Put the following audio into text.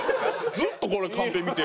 ずっとこれカンペ見て。